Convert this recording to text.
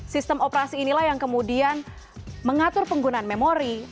sistem operasi inilah yang kemudian mengatur penggunaan memori